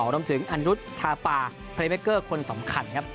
รวมถึงอันรุษทาปาเรคเกอร์คนสำคัญครับ